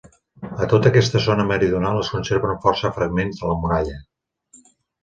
A tota aquesta zona meridional es conserven força fragments de la muralla.